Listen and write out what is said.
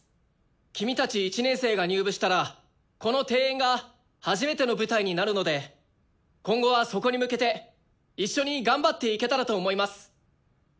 君たち１年生が入部したらこの定演が初めての舞台になるので今後はそこに向けて一緒に頑張っていけたらと思います。